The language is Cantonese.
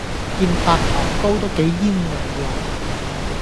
件白糖糕都幾煙韌喎